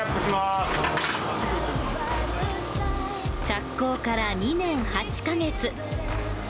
着工から２年８か月。